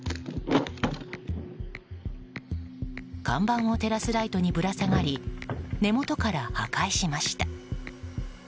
看板を照らすライトにぶら下がり根元から破壊しました。